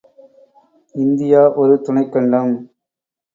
India, ஒரு துணைக் கண்டம்.